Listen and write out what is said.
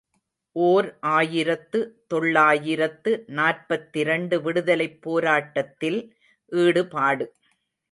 ● ஓர் ஆயிரத்து தொள்ளாயிரத்து நாற்பத்திரண்டு விடுதலைப் போராட்டத்தில் ஈடுபாடு.